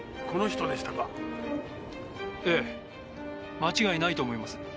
間違いないと思います。